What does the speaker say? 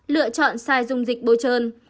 lựa chọn sai dung dịch bối trơn